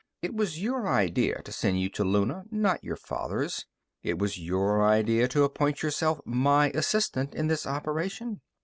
It was your idea to send you to Luna, not your father's. It was your idea to appoint yourself my assistant in this operation.